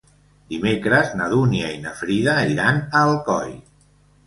Dimecres na Dúnia i na Frida iran a Alcoi.